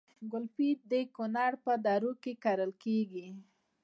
ګلپي د کونړ په درو کې کرل کیږي